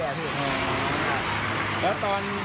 แล้วตอนที่เราขับมามีระเบิดเกิดขึ้น